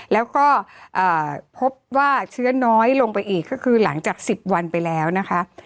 แล้วก็พบว่าเชื้อน้อยลงไปอีกก็คือหลังจาก๑๐วันไปแล้วนะคะ